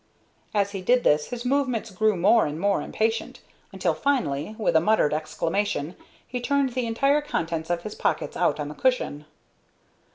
As he did this his movements grew more and more impatient, until finally, with a muttered exclamation, he turned the entire contents of his pockets out on the cushion.